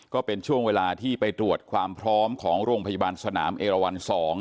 ก็เป็นช่วงเวลาที่ไปตรวจความพร้อมของโรงพยาบาลสนามเอราวัน๒